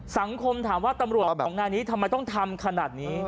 สังคมถามว่าตำรวจของงานนี้ทำไมต้องทำขนาดนี้